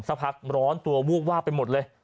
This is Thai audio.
สักพักร้อนตัววูบวาบไปหมดเลย